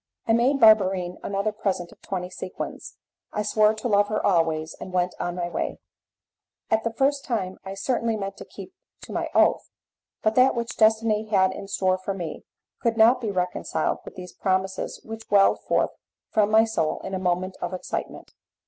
I made Barberine another present of twenty sequins, I swore to love her always, and went on my way. At the time I certainly meant to keep to my oath, but that which destiny had in store for me could not be reconciled with these promises which welled forth from my soul in a moment of excitement.